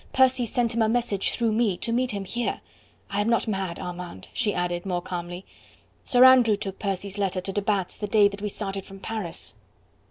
"Percy sent him a message, through me, to meet him here. I am not mad, Armand," she added more calmly. "Sir Andrew took Percy's letter to de Batz the day that we started from Paris."